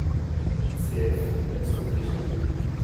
cf. la liste à télécharger.